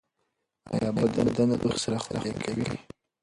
ایا بدن د تودوخې سره خولې کوي؟